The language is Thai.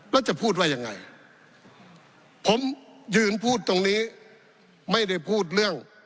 แล้วจะพูดว่ายังไงผมยืนพูดตรงนี้ไม่ได้พูดเรื่อง